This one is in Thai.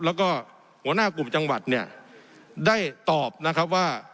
แล้วก็หัวหน้ากลุ่มจังหวัดเนี่ยได้ตอบนะครับว่า